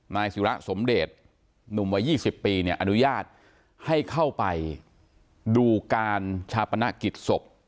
นายศิระสมเดชหนุ่มวัย๒๐ปีเนี่ยอนุญาตให้เข้าไปดูการชาปนกิจศพ